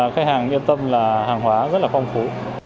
khách hàng yên tâm là hàng hóa rất là phong phú